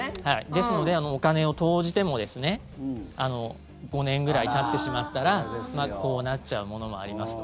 ですので、お金を投じても５年ぐらいたってしまったらこうなっちゃうものもありますと。